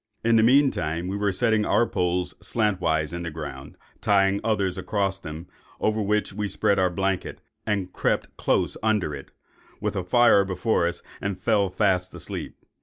In the mean time, we were setting poles slantwise in the ground, tying others across them; over which we spread our blanket, and crept close under it, with a fire before us, and fell fast asleep.